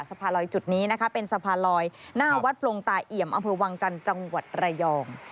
สะพานลอยจุดนี้นะคะเป็นสะพานลอยหน้าวัดปลงตาเอี่ยมอำเภอวังจันทร์จังหวัดระยอง